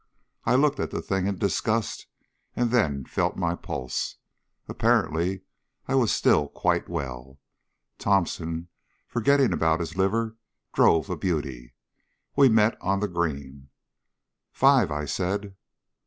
I looked at the thing in disgust and then felt my pulse. Apparently I was still quite well. Thomson, forgetting about his liver, drove a beauty. We met on the green. "Five," I said.